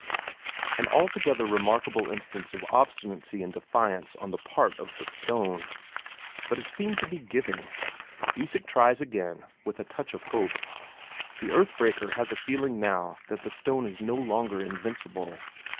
An altogether remarkable instance of obstinacy and defiance on the part of the stone. But it seemed to be giving. Isak tries again, with a touch of hope; the earth breaker has a feeling now that the stone is no longer invincible.